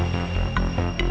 kalau bapak nggak pergi nggak ada